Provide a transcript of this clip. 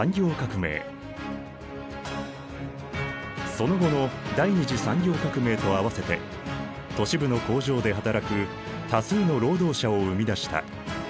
その後の第二次産業革命と併せて都市部の工場で働く多数の労働者を生み出した。